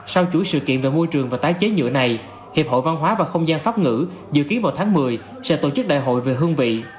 sau chuỗi sự kiện về môi trường và tái chế nhựa này hiệp hội văn hóa và không gian pháp ngữ dự kiến vào tháng một mươi sẽ tổ chức đại hội về hương vị